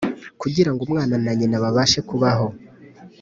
kugirango umwana na nyina babashe kubaho.